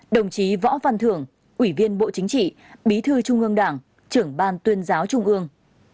đồng chí võ văn thưởng ủy viên bộ chính trị bí thư trung ương đảng trưởng ban tuyên giáo trung ương